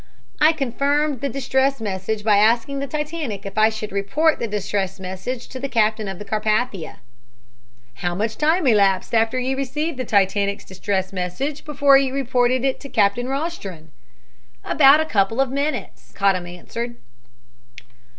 "I confirmed the distress message by asking the Titanic if I should report the distress message to the captain of the Carpathia." "How much time elapsed after you received the Titanic's distress message before you reported it to Captain Rostron?" "About a couple of minutes," Cottam answered.